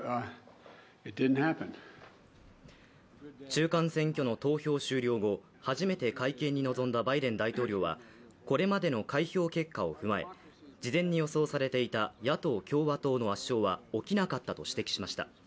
中間選挙の投票終了後、初めて会見に臨んだバイデン大統領はこれまでの開票結果を踏まえ事前に予想されていた野党・共和党の圧勝は起きなかったと指摘しました。